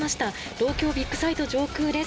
東京ビッグサイト上空です。